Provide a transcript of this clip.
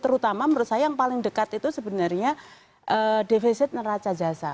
karena menurut saya yang paling dekat itu sebenarnya defisit neraca jasa